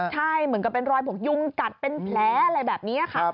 ใช่เหมือนกับเป็นรอยพวกยุงกัดเป็นแผลอะไรแบบนี้ค่ะ